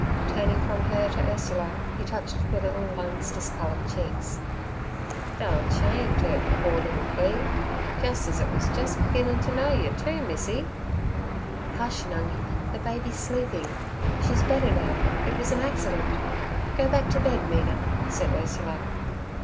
Turning from her to Ursula, he touched the little one's discoloured cheek. 'Dam shime t' 'urt ther poor little b—, jus' as it was jus' beginnin' to know yer, too, missy.' 'Hush, Nungi! the baby's sleeping; she's better now. It was an accident. Go back to bed, Mina' said Ursula.